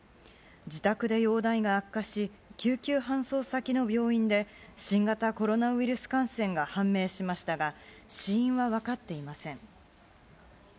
自宅で容体が悪化し、救急搬送先の病院で新型コロナウイルス感染が判明しましたが、死因は分かっていません。